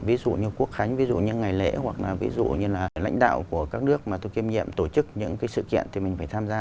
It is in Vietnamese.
ví dụ như quốc khánh ví dụ như ngày lễ hoặc là ví dụ như là lãnh đạo của các nước mà tôi kiêm nhiệm tổ chức những cái sự kiện thì mình phải tham gia